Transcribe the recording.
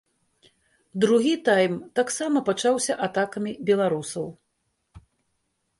Другі тайм таксама пачаўся атакамі беларусаў.